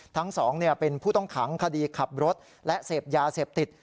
ทั้งสองเป็นผู้ต้องขังคดีขับรถและเสพยาเสพติด